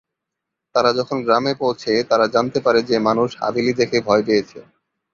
তারা যখন গ্রামে পৌঁছে, তারা জানতে পারে যে মানুষ হাভেলি দেখে ভয় পেয়েছে।